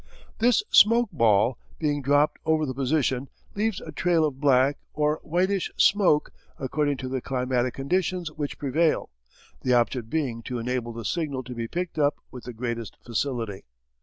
This smoke ball being dropped over the position leaves a trail of black or whitish smoke according to the climatic conditions which prevail, the object being to enable the signal to be picked up with the greatest facility.